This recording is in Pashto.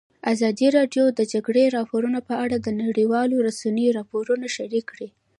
ازادي راډیو د د جګړې راپورونه په اړه د نړیوالو رسنیو راپورونه شریک کړي.